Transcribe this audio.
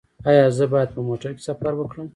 ایا زه باید په موټر کې سفر وکړم؟